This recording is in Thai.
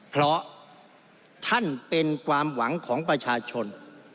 เพราะท่านเป็นความหวังของประชาชน